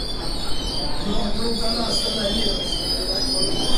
Но вдруг она остановилась.